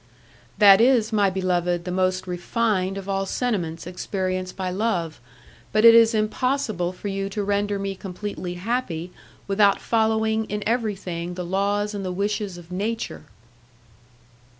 "That is, my beloved, the most refined of all sentiments experienced by love, but it is impossible for you to render me completely happy without following in everything the laws and the wishes of nature."